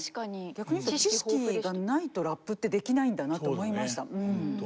逆に知識がないとラップってできないんだなと思いました。